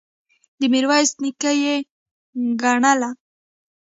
د میرویس نیکه یې ګڼله.